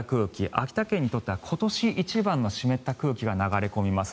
秋田県にとっては今年一番の湿った空気が流れ込みます。